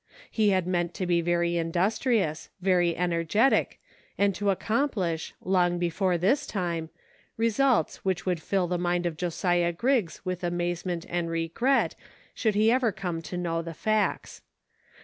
He had meant to be very industrious, very energetic, and to accomplish, long before this time, results which would fill the mind of Josiah Griggs with amazement and regret, should he ever come to know the facts.